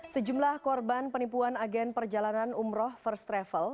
sejumlah korban penipuan agen perjalanan umroh first travel